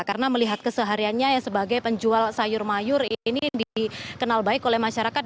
karena melihat kesehariannya sebagai penjual sayur mayur ini dikenal baik oleh masyarakat